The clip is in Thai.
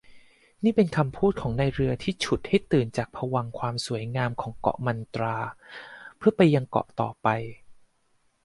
นี่เป็นคำพูดของนายเรือที่ฉุดให้ตื่นจากภวังค์ความสวยงามของเกาะมัตรา เพื่อไปยังเกาะต่อไป